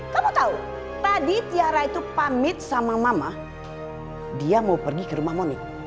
kamu tahu tadi tiara itu pamit sama mama dia mau pergi ke rumah monik